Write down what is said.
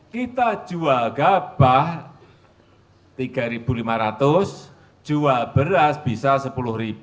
kita jual gabah rp tiga lima ratus jual beras bisa rp sepuluh